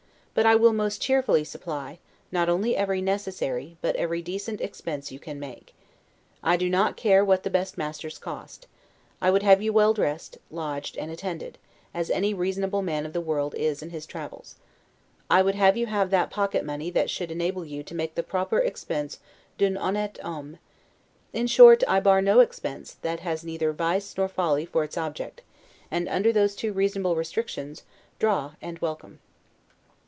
But I will most cheerfully supply, not only every necessary, but every decent expense you can make. I do not care what the best masters cost. I would have you as well dressed, lodged, and attended, as any reasonable man of fashion is in his travels. I would have you have that pocket money that should enable you to make the proper expense 'd'un honnete homme'. In short, I bar no expense, that has neither vice nor folly for its object; and under those two reasonable restrictions, draw, and welcome.